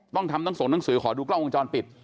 ต้องทำทั้งส่งหนังสือขอดูกล้องวงจรปิด